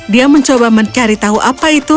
dia mencoba mencari tahu apa itu